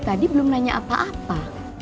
tadi belum nanya apa apa